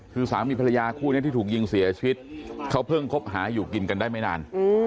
คือสามีภรรยาคู่นี้ที่ถูกยิงเสียชีวิตเขาเพิ่งคบหาอยู่กินกันได้ไม่นาน